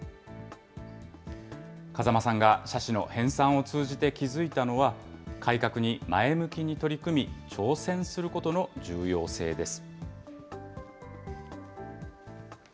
風間さんが社史の編さんを通じて気付いたのは、改革に前向きに取り組み、挑戦することの重要性です。